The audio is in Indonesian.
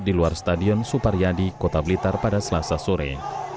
di luar stadion suparyadi kota blitar pada selasa sore